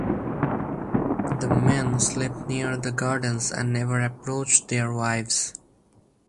The men sleep near the gardens and never approach their wives.